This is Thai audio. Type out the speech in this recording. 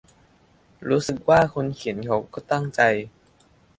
รู้สึกว่าคนเขียนเขาก็ตั้งใจ